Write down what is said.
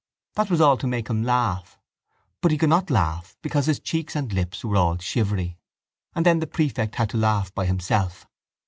That was all to make him laugh. But he could not laugh because his cheeks and lips were all shivery: and then the prefect had to laugh by himself.